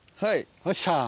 よっしゃ。